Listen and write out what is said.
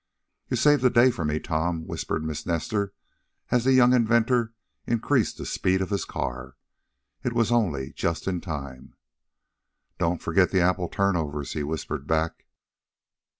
"You saved the day for me, Tom," whispered Miss Nestor, as the young inventor increased the speed of his car. "It was only just in time." "Don't forget the apple turnovers," he whispered back.